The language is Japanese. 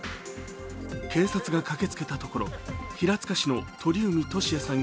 警察が駆けつけたところ、平塚市の鳥海敏也さん